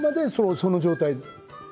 その状態で？